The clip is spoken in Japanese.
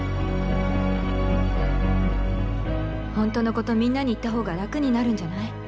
ほんとのことみんなに言ったほうが楽になるんじゃない？